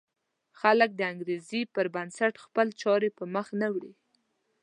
خلک د انګېزې پر بنسټ خپلې چارې پر مخ نه وړي.